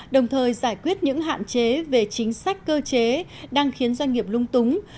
đồng thời giải quyết những hạn chế về chính sách cơ chế đang khiến doanh nghiệp lung túng